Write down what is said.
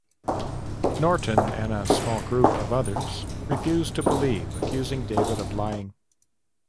Norton and a small group of others refuse to believe, accusing David of lying.